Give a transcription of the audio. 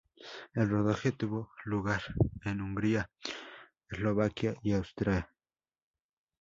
El rodaje tuvo lugar en Hungría, Eslovaquia y Austria.